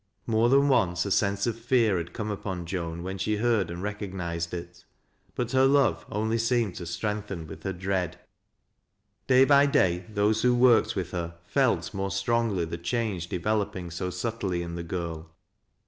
More than once a sense of fear had come upon Joan when she heard and recognized it. But her love only seemed to strengtheo (vith her dread. " TLKSED METHOD Y: 209 Day by day those who worked with her felt more stronglj the change developing so subtly in the girl.